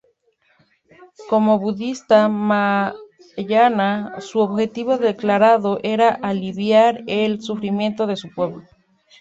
Como budista Mahāyāna, su objetivo declarado era aliviar el sufrimiento de su pueblo.